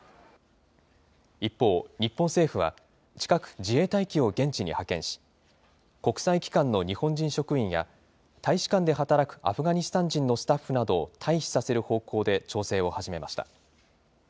一方、日本政府は近く自衛隊機を現地に派遣し、国際機関の日本人職員や、大使館で働くアフガニスタン人のスタッフなどを退避させる方向で調整を始めました。